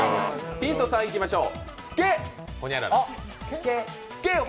ヒント３いきましょう。